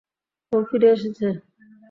ও ফিরে এসেছে।